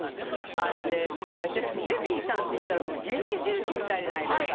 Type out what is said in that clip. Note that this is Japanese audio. あのね私デヴィさんっていったらもう元気印みたいじゃないですか。